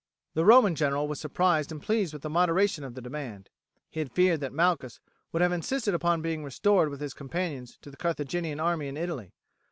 The Roman general was surprised and pleased with the moderation of the demand. He had feared that Malchus would have insisted upon being restored with his companions to the Carthaginian army in Italy.